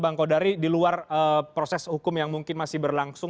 bang kodari diluar proses hukum yang mungkin masih berlangsung